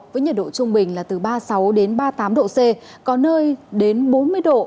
với nhiệt độ trung bình là từ ba mươi sáu đến ba mươi tám độ c có nơi đến bốn mươi độ